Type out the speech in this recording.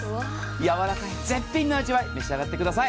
やわらかい、絶品な味わい、召し上がってください。